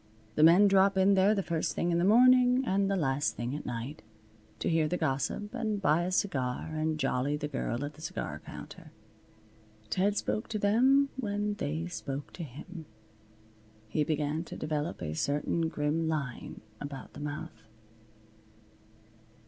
The men drop in there the first thing in the morning, and the last thing at night, to hear the gossip and buy a cigar and jolly the girl at the cigar counter. Ted spoke to them when they spoke to him. He began to develop a certain grim line about the mouth.